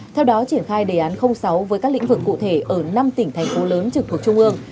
theo đó triển khai đề án sáu với các lĩnh vực cụ thể ở năm tỉnh thành phố lớn trực thuộc trung ương